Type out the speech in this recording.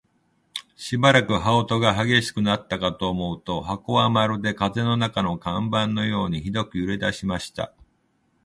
しばらくして、羽音が烈しくなったかと思うと、箱はまるで風の中の看板のようにひどく揺れだしました。